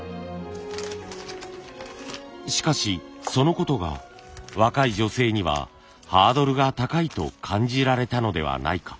しかしそのことが若い女性にはハードルが高いと感じられたのではないか？